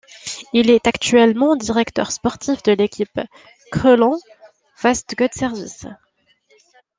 Il est actuellement directeur sportif de l'équipe Crelan-Vastgoedservice.